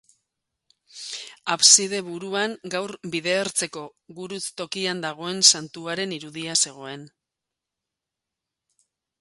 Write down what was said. Abside buruan, gaur bide-ertzeko gurutz-tokian dagoen Santuaren irudia zegoen.